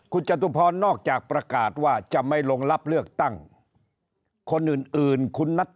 คุณจตุพรนอกจากประกาศว่าจะไม่ลงรับเลือกตั้งคนอื่นคุณนัท